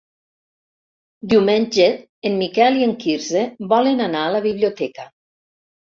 Diumenge en Miquel i en Quirze volen anar a la biblioteca.